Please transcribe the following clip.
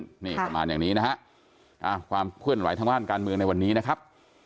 นี่ประมาณอย่างนี้นะฮะความเคลื่อนไหวทางด้านการเมืองในวันนี้นะครับ